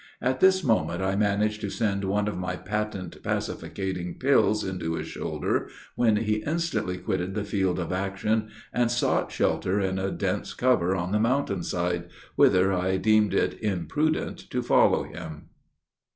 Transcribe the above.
At this moment, I managed to send one of my patent pacificating pills into his shoulder, when he instantly quitted the field of action, and sought shelter in a dense cover on the mountain side, whither I deemed it imprudent to follow him.